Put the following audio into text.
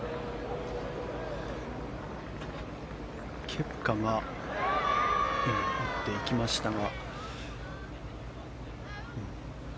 ケプカが今、打っていきましたが。